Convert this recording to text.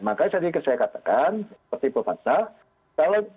makanya saya katakan seperti prof fadzal